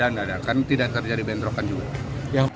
nggak karena tidak terjadi bentrokan juga